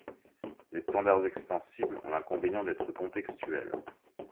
Les standards extensibles ont l'inconvénient d'être contextuels.